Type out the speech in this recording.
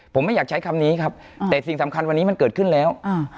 ผมไม่อยากใช้คำนี้ครับแต่สิ่งสำคัญวันนี้มันเกิดขึ้นแล้วอ่า